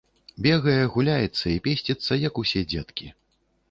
Бегае, гуляецца і песціцца, як усе дзеткі.